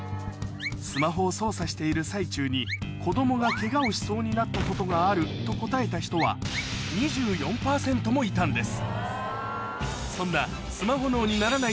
スマホを操作している最中に子供がケガをしそうになったことがあると答えた人は２４％もいたんです